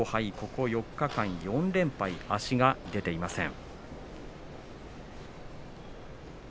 ここ４日間に４連敗足が出ていません。